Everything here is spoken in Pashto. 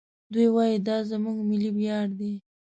دوی وايي دا زموږ ملي ویاړ دی.